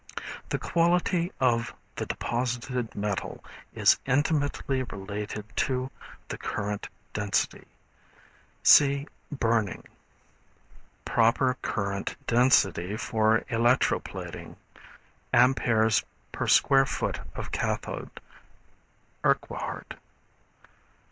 The quality of the deposited metal is intimately related to the current density. (See Burning.) Proper Current Density for Electroplating Amperes Per Square Foot of Cathode. (Urquhart.)